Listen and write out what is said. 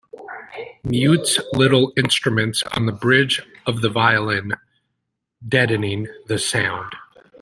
Mutes little instruments on the bridge of the violin, deadening the sound.